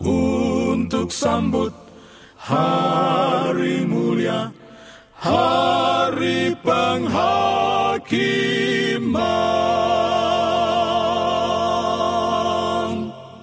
untuk sambut hari mulia hari penghakiman